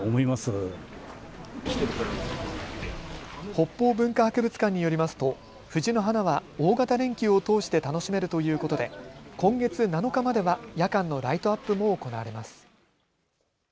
北方文化博物館によりますと藤の花は大型連休を通して楽しめるということで今月７日までは夜間のライトアップも行われます。